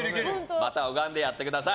また拝んでやってください。